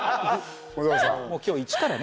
もう今日イチからね。